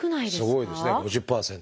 すごいですね５０％。